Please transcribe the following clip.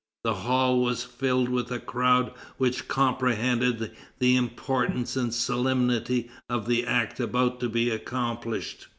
The hall was filled with a crowd which comprehended the importance and solemnity of the act about to be accomplished.